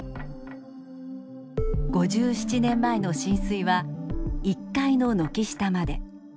５７年前の浸水は１階の軒下まで。